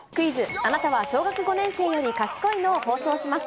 あなたは小学５年生より賢いの？を放送します。